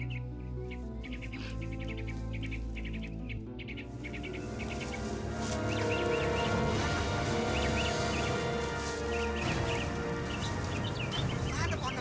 tidak ada apa apa